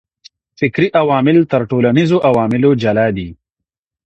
فکري عوامل تر ټولنيزو عواملو جلا دي.